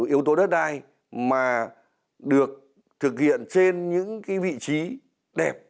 yếu tố đất đai mà được thực hiện trên những cái vị trí đẹp